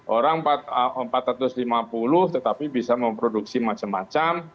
orang empat ratus lima puluh tetapi bisa memproduksi macam macam